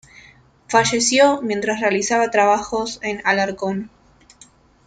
Falleció mientras realizaba trabajos en Alarcón.